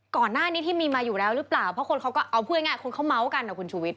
ก่อนหน้านี้ที่มีมาอยู่แล้วหรือเปล่าเพราะคนเขาก็เอาพูดง่ายคนเขาเมาส์กันนะคุณชุวิต